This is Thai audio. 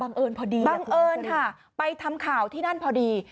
พอดีบังเอิญค่ะไปทำข่าวที่นั่นพอดี